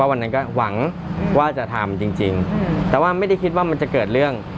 วันนั้นก็หวังว่าจะทำจริงแต่ว่าไม่ได้คิดว่ามันจะเกิดเรื่อง